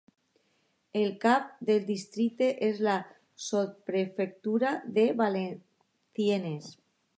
El cap del districte és la sotsprefectura de Valenciennes.